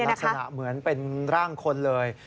ลักษณะเหมือนเป็นร่างคนเลย